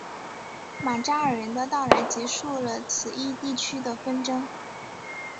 马扎尔人的到来结束了此一地区的纷争。